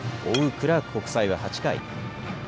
クラーク国際は８回。